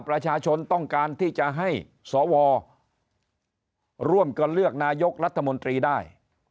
ประชาชนต้องการที่จะให้สวร่วมกันเลือกนายกรัฐมนตรีได้